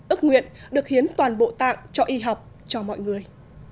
ước nguyện được hiến toàn bộ tạng cho y học cho mọi người